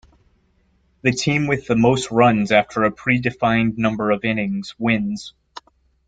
The team with the most runs after a predefined number of innings wins.